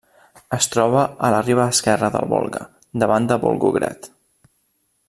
Es troba a la riba esquerra del Volga, davant de Volgograd.